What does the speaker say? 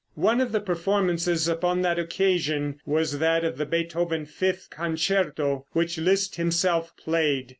One of the performances upon that occasion was that of the Beethoven fifth concerto, which Liszt himself played.